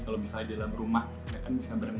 kalau misalnya di dalam rumah mereka kan bisa berenang